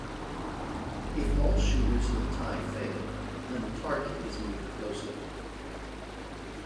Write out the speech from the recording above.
If all shooters in the tie fail, then the target is moved closer.